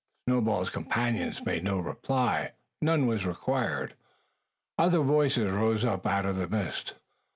Snowball's companions made no reply. None was required. Other voices rose up out of the mist.